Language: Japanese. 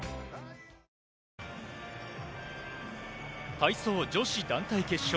体操女子団体決勝。